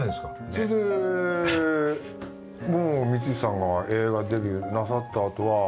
それで光石さんが映画デビューなさった後は。